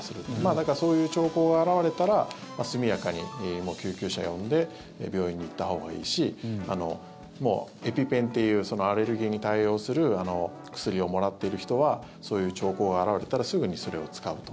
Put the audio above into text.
だから、そういう兆候が表れたら速やかに救急車呼んで病院に行ったほうがいいしエピペンっていうアレルギーに対応する薬をもらっている人はそういう兆候が表れたらすぐにそれを使うと。